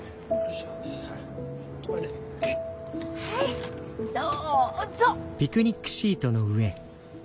はいどうぞ。